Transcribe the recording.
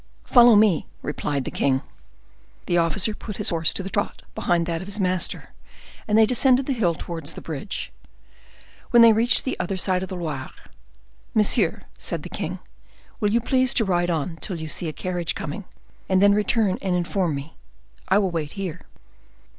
"Follow me," replied the king. The officer put his horse to the trot, behind that of his master, and they descended the hill towards the bridge. When they reached the other side of the Loire,— "Monsieur," said the king, "you will please to ride on till you see a carriage coming; then return and inform me. I will wait here."